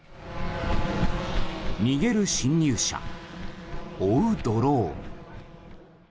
逃げる侵入者、追うドローン。